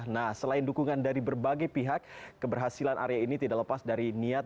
nah selain dukungan dari berbagai pihak keberhasilan area ini tidak lepas dari niat